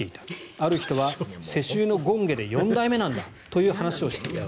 ある人は世襲の権化で４代目なんだという話をしていた。